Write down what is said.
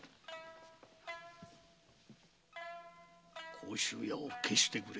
甲州屋を消してくれ。